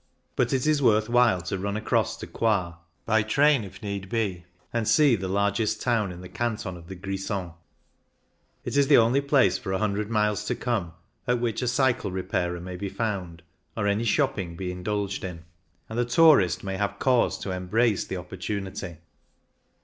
But it is worth while to run across to Coire, by train if need be, and see the largest town in the Canton of the Grisons. It is the only place for a hundred miles to come at which a cycle repairer may be found or any " shop ping " be indulged in, and the tourist may have cause to embrace the opportunity.